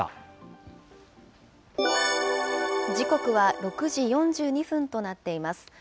時刻は６時４２分となっています。